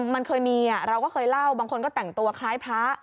มันเคยมีเราก็เคยเล่าบางคนก็แต่งตัวคล้ายพระ